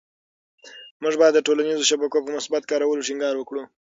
موږ باید د ټولنيزو شبکو په مثبت کارولو ټینګار وکړو.